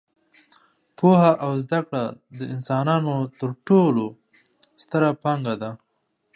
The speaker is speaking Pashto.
پوهه او زده کړه د انسانانو تر ټولو ستره پانګه ده.